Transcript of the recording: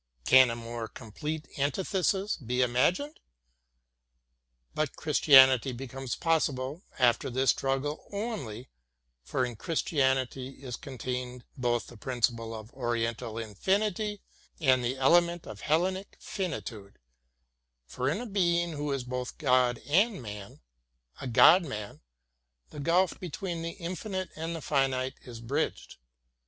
Can a more complete antithesis be imagined! But Christianity becomes possible after this struggle only, for in Christianity is con tained both the principle of Oriental infinity and the element of Hellenic finitude, for in a being who is both God and man — a God man — the gulf between the infinite and finite is bridged.